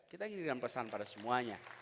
kita ingin memberikan pesan pada semuanya